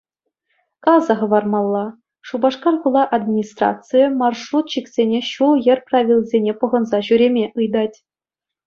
Каласа хӑвармалла: Шупашкар хула администрацийӗ маршрутчиксене ҫул-йӗр правилисене пӑхӑнса ҫӳреме ыйтать.